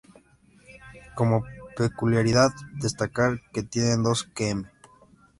Como peculiaridad, destacar que tiene dos Km.